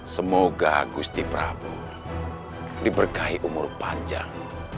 semoga gusti prabowo diberkahi umur panjang